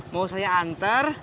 mau saya antar